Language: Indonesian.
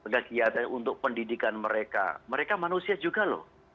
kegiatan untuk pendidikan mereka mereka manusia juga loh